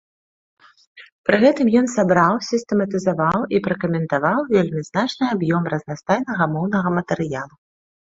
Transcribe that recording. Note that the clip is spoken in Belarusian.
Пры гэтым ён сабраў, сістэматызаваў і пракаментаваў вельмі значны аб'ём разнастайнага моўнага матэрыялу.